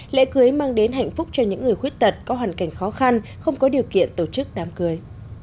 lễ cưới mang đến hạnh phúc cho những người khuyết tật có hoàn cảnh khó khăn không có điều kiện tổ chức đám cưới